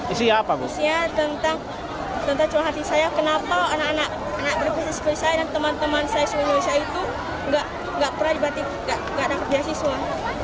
isinya tentang curhatin saya kenapa anak anak berpisah seperti saya dan teman teman saya di indonesia itu gak pernah dibatik gak ada kebiasaan semua